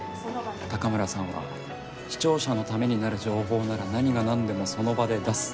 高村さんは視聴者のためになる情報なら何が何でもその場で出す。